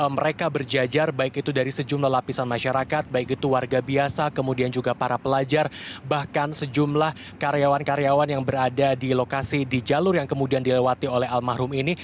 mereka berjajar baik itu dari sejumlah lapisan masyarakat baik itu warga biasa kemudian juga para pelajar bahkan sejumlah karyawan karyawan yang berada di lokasi di jalur yang kemudian dilewati oleh almarhum ini